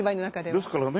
ですからね